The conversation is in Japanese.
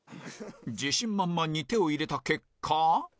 自信満々に手を入れた結果